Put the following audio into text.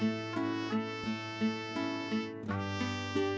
dia sebetulnya baru untuk diajak ke bapak benar benarounded lihat